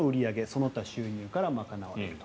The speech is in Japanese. その他収入から賄われると。